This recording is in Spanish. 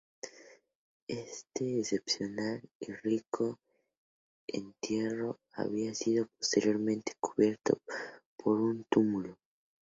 Este excepcional y rico entierro había sido posteriormente cubierto por un túmulo.